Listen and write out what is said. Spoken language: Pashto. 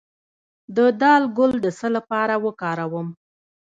د دال ګل د څه لپاره وکاروم؟